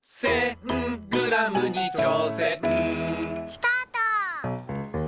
・スタート！